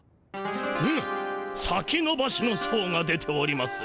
む「先のばし」の相が出ております。